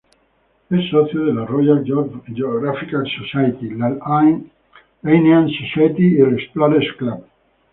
Es socio de la Royal Geographical Society, la Linnean Society, y el Explorers Club.